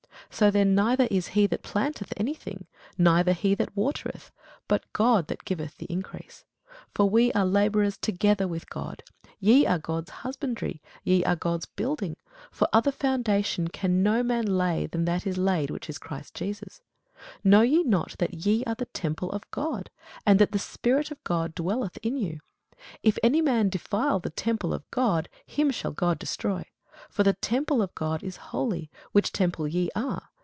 So then neither is he that planteth any thing, neither he that watereth; but God that giveth the increase. For we are labourers together with God: ye are God's husbandry, ye are God's building. For other foundation can no man lay than that is laid, which is Jesus Christ. Know ye not that ye are the temple of God, and that the Spirit of God dwelleth in you? If any man defile the temple of God, him shall God destroy; for the temple of God is holy, which temple ye are.